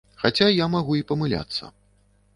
Хаця я магу й памыляцца.